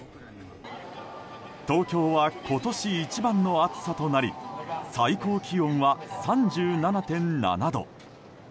東京は今年一番の暑さとなり最高気温は３７．７度。